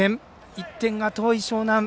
１点が遠い湘南。